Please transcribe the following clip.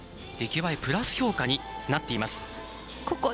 出来栄えプラス評価になっています。